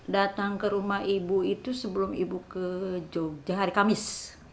datang ke rumah ibu itu sebelum ibu ke jogja hari kamis